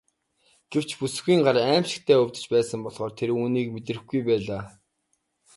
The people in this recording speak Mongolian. Гэвч бүсгүйн гар аймшигтай өвдөж байсан болохоор тэр үүнийг мэдрэхгүй байлаа.